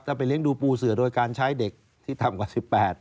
ถ้าไปเลี้ยงดูปูเสือโดยการใช้เด็กที่ทำกว่า๑๘